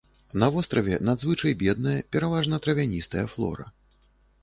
На востраве надзвычай бедная, пераважна травяністая флора.